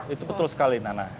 itu betul sekali nana